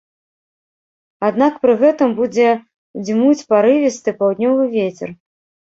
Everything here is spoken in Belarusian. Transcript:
Аднак пры гэтым будзе дзьмуць парывісты паўднёвы вецер.